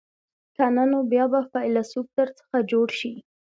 که نه نو بیا به فیلسوف در څخه جوړ شي.